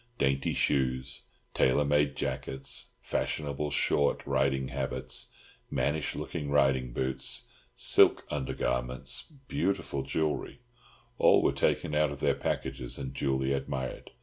Dainty shoes, tailor made jackets, fashionable short riding habits, mannish looking riding boots, silk undergarments, beautiful jewellery, all were taken out of their packages and duly admired.